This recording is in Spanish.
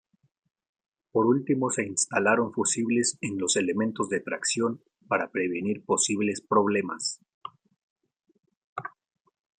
Por último se instalaron fusibles en los elementos de tracción para prevenir posibles problemas.